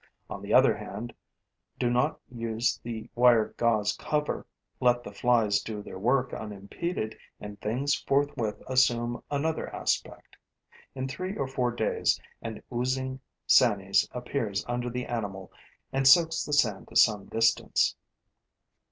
On the other hand, do not use the wire gauze cover, let the flies do their work unimpeded; and things forthwith assume another aspect. In three or four days, an oozing sanies appears under the animal and soaks the sand to some distance.